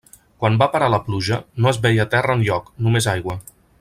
Quan va parar la pluja, no es veia terra enlloc, només aigua.